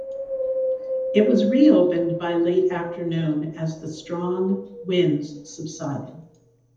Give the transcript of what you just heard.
It was re-opened by late afternoon as the strong winds subsided.